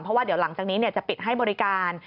เพราะว่าเดี๋ยวหลังจากนี้จะปิดให้บริการ